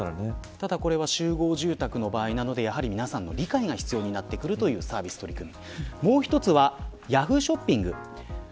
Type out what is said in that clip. ただこれは集合住宅の場合なので皆さんの理解が必要になってくる取り組み。